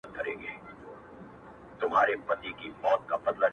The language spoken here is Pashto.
لاس تر غاړه به یاران وي ورځ یې تېره خوا په خوا سي-